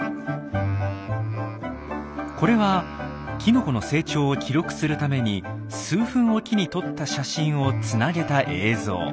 これはきのこの成長を記録するために数分おきに撮った写真をつなげた映像。